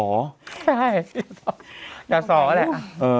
ใช่อย่าสอแหละ